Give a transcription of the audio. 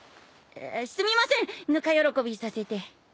すみませんぬか喜びさせて。